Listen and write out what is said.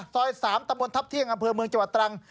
ซอย๓ตะบนนทับเที่ยงเมืองจัวร์ตรัง